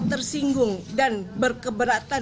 tersinggung dan berkeberatan